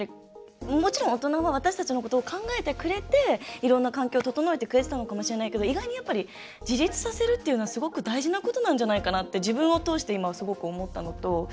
もちろん大人は私たちのことを考えてくれていろんな環境を整えてくれてたのかもしれないけど、意外にやっぱり自立させるっていうのはすごく大事なことなんじゃないかなって自分を通して今、すごく思ったのと。